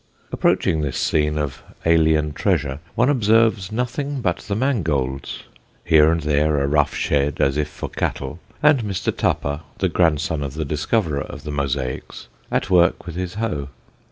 Approaching this scene of alien treasure one observes nothing but the mangolds; here and there a rough shed as if for cattle; and Mr. Tupper, the grandson of the discoverer of the mosaics, at work with his hoe.